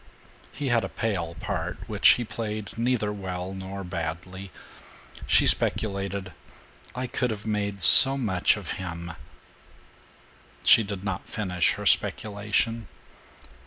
He had a pale part, which he played neither well nor badly. She speculated, "I could have made so much of him " She did not finish her speculation.